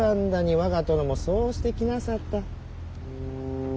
我が殿もそうして来なさった。